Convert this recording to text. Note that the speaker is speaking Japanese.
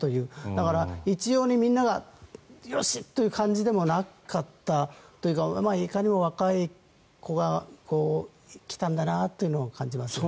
だから、一様にみんながよし！という感じでもなかったというかいかにも若い子が来たんだなというのを感じますね。